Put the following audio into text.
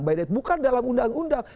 by the way bukan dalam undang undang